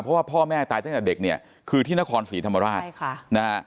เพราะว่าพ่อแม่ตายตั้งแต่เด็กเนี่ยคือที่นครศรีธรรมราชใช่ค่ะนะฮะ